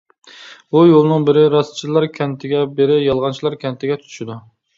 بۇ يولنىڭ بىرى راستچىللار كەنتىگە، بىرى يالغانچىلار كەنتىگە تۇتىشىدۇ.